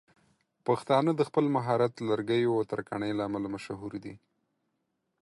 پښتانه د خپل مهارت لرګيو او ترکاڼۍ له امله مشهور دي.